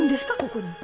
ここに。